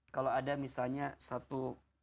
kalau ada misalnya satu